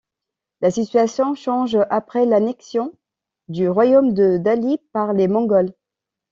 La situation change après l'annexion du royaume de Dali par les Mongols.